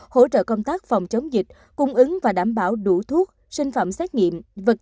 hỗ trợ công tác phòng chống dịch cung ứng và đảm bảo đủ thuốc sinh phẩm xét nghiệm